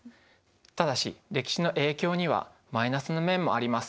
ただし歴史の影響にはマイナスの面もあります。